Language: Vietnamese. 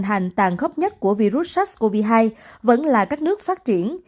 hành tàn khốc nhất của virus sars cov hai vẫn là các nước phát triển